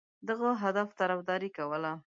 دغه هدف طرفداري کوله.